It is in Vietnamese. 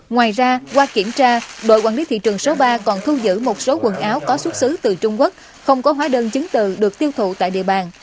ngoài ra qua kiểm tra đội quản lý thị trường số ba còn thu giữ một số quần áo có xuất xứ từ trung quốc không có hóa đơn chứng từ được tiêu thụ tại địa bàn